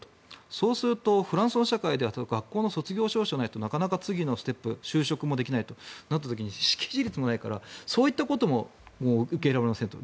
そうすると、フランスの社会では学校の卒業証書がないとなかなか次のステップ就職もできないとなった時に識字率もないからそういったことも受けられませんと。